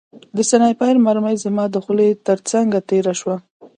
د سنایپر مرمۍ زما د خولۍ ترڅنګ تېره شوه